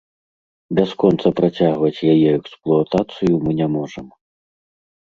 Бясконца працягваць яе эксплуатацыю мы не можам.